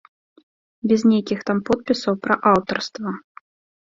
Без нейкіх там подпісаў пра аўтарства.